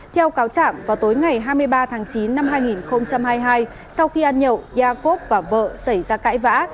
theo cáo trạng vào tối ngày hai mươi ba tháng chín năm hai nghìn hai mươi hai sau khi ăn nhậu yakov và vợ xảy ra cãi vã